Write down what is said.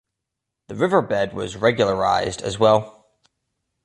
The river-bed was regularised as well.